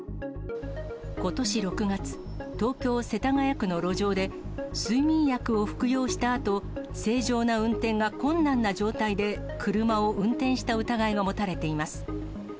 ことし６月、東京・世田谷区の路上で、睡眠薬を服用したあと、正常な運転が困難な状態で車を運転した疑いが持たれています。